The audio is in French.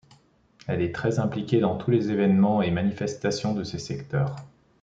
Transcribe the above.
Elle est très impliquée dans tous les évènements et manifestations de ces secteurs.